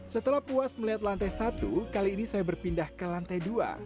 setelah puas melihat lantai satu kali ini saya berpindah ke lantai dua